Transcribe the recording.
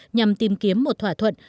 nhằm tìm kiếm một thỏa thuận